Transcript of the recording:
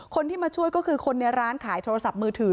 คนที่มาช่วยก็คือคนในร้านขายโทรศัพท์มือถือ